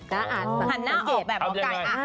หันหน้าเอกแบบหมอไก่